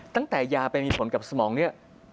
ตั้งแต่ยาไปมีผลกับสมองนี้